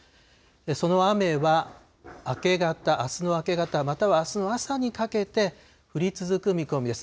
その雨は明け方、あすの明け方、またはあすの朝にかけて降り続く見込みです。